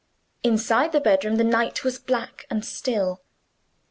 Inside the bedroom the night was black and still.